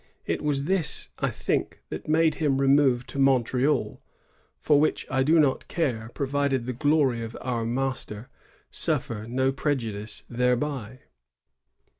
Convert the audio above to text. It was this, I think, that made him remove to Montreal; for which I do not care, pro vided the glory of our Master suffer no prejudice thereby."